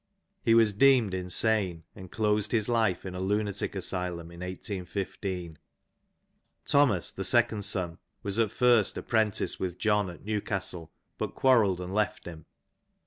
He was deemed insane, and closed his life in a lunatic asylum in 1815. Thomas the second son was at first apprentice with John at New castle, but quarrelled and left him.